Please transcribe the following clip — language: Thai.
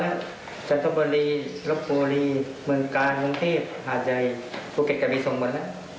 เมื่อหน้าจังหวัดจังหกบีกฎีรบบูรีมื้องกาหยุงเทพหาใจฟูเก็ตกระบีส่งหมดแล้ว